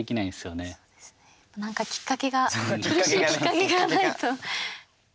なんかきっかけが苦しいきっかけがないと。